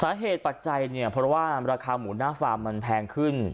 สาเหตุปัจจัยเนี้ยเพราะว่าราคาหมูหน้าความมันแพงขึ้น